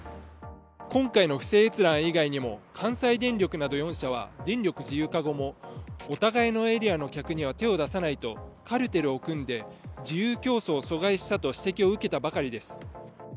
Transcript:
今回の不正閲覧以外にも関西電力など４社は、電力自由化後もお互いのエリアの客には手を出さないとカルテルを組んで自由競争を阻害したと指摘を受けたばかりです。